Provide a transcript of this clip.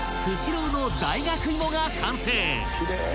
スシローの大学いもが完成］